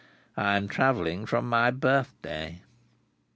I am travelling from my birthday."